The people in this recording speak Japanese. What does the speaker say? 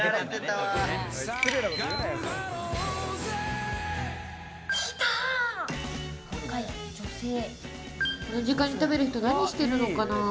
若い女性、この時間に食べる人、何してるのかな？